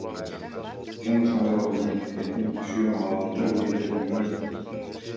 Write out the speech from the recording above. Мен ошондой кылдым, эркин түшүү маалында көзүмдү ирмеген да жокмун.